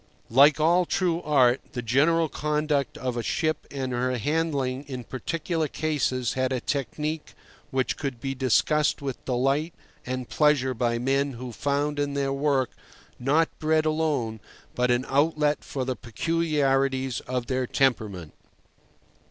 Like all true art, the general conduct of a ship and her handling in particular cases had a technique which could be discussed with delight and pleasure by men who found in their work, not bread alone, but an outlet for the peculiarities of their temperament.